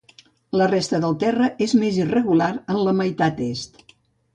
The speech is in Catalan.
La resta del terra és més irregular en la meitat est.